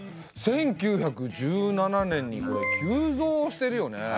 １９１７年にこれ急増してるよね。